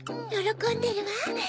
よろこんでるわ。